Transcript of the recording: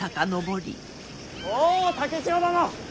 おう竹千代殿！